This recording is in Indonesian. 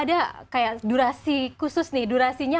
ada kayak durasi khusus nih durasinya